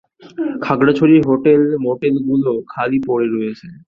খাগড়াছড়ির হোটেল মোটেলগুলো খালি পড়ে রয়েছে।